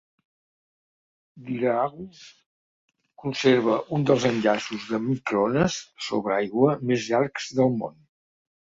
Dhiraagu conserva un dels enllaços de microones sobre aigua més llargs del món.